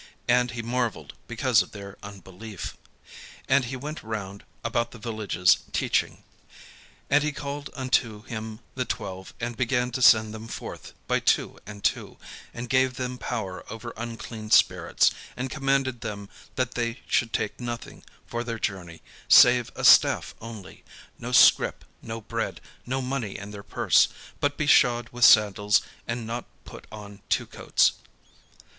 And he marvelled because of their unbelief. And he went round about the villages, teaching. And he called unto him the twelve, and began to send them forth by two and two; and gave them power over unclean spirits; and commanded them that they should take nothing for their journey, save a staff only; no scrip, no bread, no money in their purse: but be shod with sandals; and not put on two coats.